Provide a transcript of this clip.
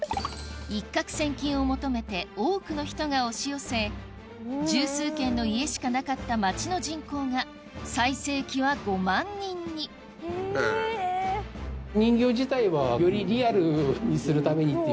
一獲千金を求めて多くの人が押し寄せ十数軒の家しかなかった町の人口が最盛期は５万人にあっそうなんですか！